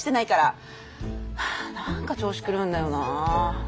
はあ何か調子狂うんだよな。